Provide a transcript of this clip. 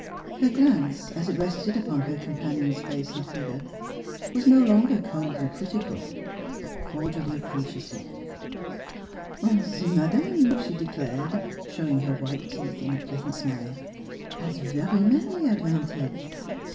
Her glance, as it rested 34 Miss Philura upon her companion's face and figure, was no longer coldly critical, but cordially appreciative. *'Ze madame," she declared, showing her white teeth in a pleasant smile, *'has very many advantage.